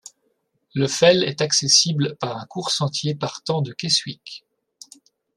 Le fell est accessible par un court sentier partant de Keswick.